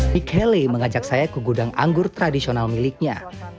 michele mengajak saya ke gudang anggur tradisional miliknya